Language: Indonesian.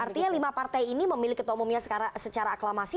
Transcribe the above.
artinya lima partai ini memiliki ketumumia secara aklamasi